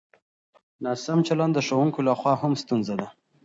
ناسم چلند د ښوونکو له خوا هم ستونزه ده.